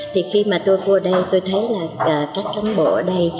thì khi mà tôi vô đây tôi thấy là các cán bộ ở đây